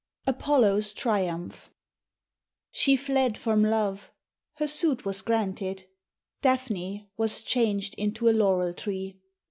APOLLO*S TRIUMPH. SHE fled from love, her suit was granted, Daphne was changed into a laurel tree.